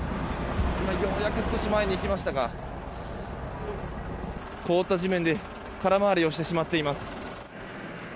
今、ようやく少し前に行きましたが凍った地面で空回りをしてしまっています。